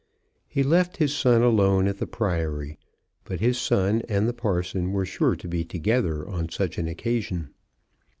He left his son alone at the Priory; but his son and the parson were sure to be together on such an occasion.